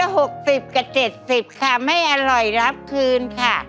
หกสิบกับเจ็ดสิบค่ะไม่อร่อยรับคืนค่ะ